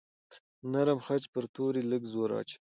نرم خج پر توري لږ زور اچوي.